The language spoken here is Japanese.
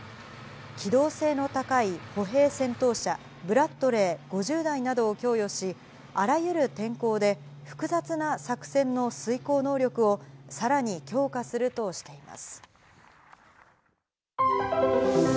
機動性の高い歩兵戦闘車、ブラッドレー５０台などを供与し、あらゆる天候で複雑な作戦の遂行能力をさらに強化するとしています。